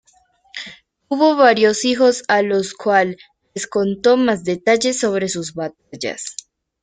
Tuvo varios hijos a los cual les contó más detalles sobre sus batallas.